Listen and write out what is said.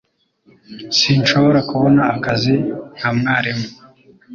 Sinshobora kubona akazi nka mwarimu